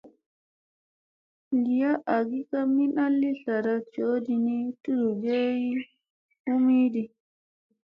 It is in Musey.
Li agi ka min a li tlaɗi coɗii ni, tuɗgi ay umiɗi.